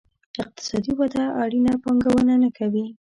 اقتصادي وده اړینه پانګونه نه کوي.